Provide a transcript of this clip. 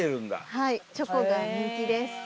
はいチョコが人気です。